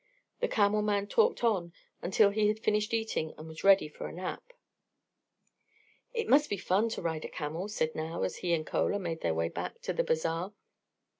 The camel man talked on until he had finished eating and was ready for a nap. "It must be fine fun to ride a camel," said Nao, as he and Chola made their way back to the Bazaar.